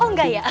oh enggak ya